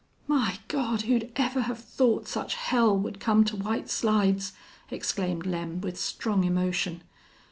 "My Gawd! who'd ever have thought such hell would come to White Slides!" exclaimed Lem, with strong emotion.